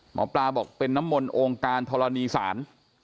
หมอปลาบอกเป็นน้ำมนต์องค์การธรณีศาล